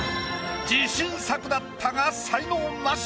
自信作だったが才能ナシ。